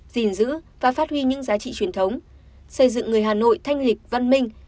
gìn giữ và phát huy những giá trị truyền thống xây dựng người hà nội thanh lịch văn minh